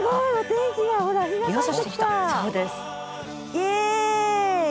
イエーイ！